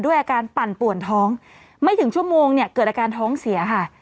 อาการปั่นป่วนท้องไม่ถึงชั่วโมงเนี่ยเกิดอาการท้องเสียค่ะ